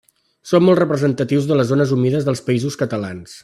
Són molt representatius de les zones humides dels Països Catalans.